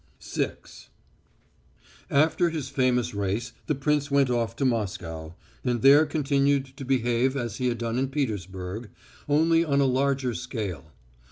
VI After his famous race the prince went off to Moscow, and there continued to behave as he had done in Petersburg, only on a larger scale.